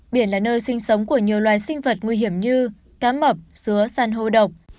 biển là nơi sinh sống của nhiều loài sinh vật nguy hiểm như cá mập xứa san hô độc